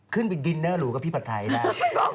ขึ้นไปดินเนอร์หรูกับพี่ผัดไทยได้